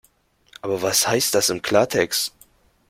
Aber was heißt das im Klartext?